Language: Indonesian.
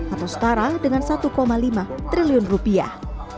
atau setara dengan satu lima triliun rupiah